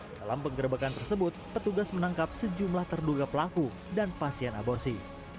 dalam penggerebekan tersebut petugas menangkap sejumlah terduga pelaku dan pasien aborsi